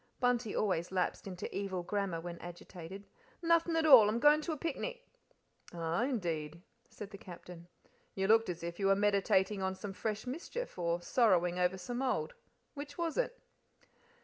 Bunty always lapsed into evil grammar when agitated. "Nothing at all. I'm goin' to a picnic." "Ah, indeed!" said the Captain. "You looked as if you were meditating on some fresh mischief, or sorrowing over some old which was it?"